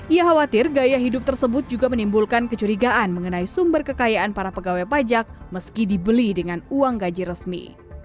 ia khawatir gaya hidup tersebut juga menimbulkan kecurigaan mengenai sumber kekayaan para pegawai pajak meski dibeli dengan uang gaji resmi